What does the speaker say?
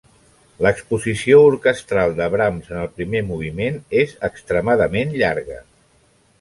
L'exposició orquestral de Brahms en el primer moviment és extremadament llarga.